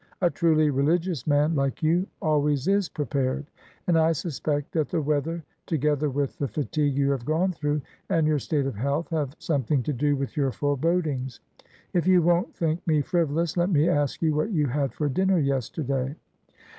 "A truly religious man like you always is prepared, and I suspect that the weather, together with the fatigue you have gone through, and your state of health, have something to do with your forebodings. If you won't think me frivolous, let me ask you what you had for dinner yesterday?"